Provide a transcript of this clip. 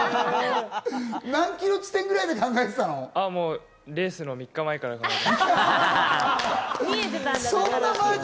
何ｋｍ地点ぐらいで考えてたレースの３日前から考えてました。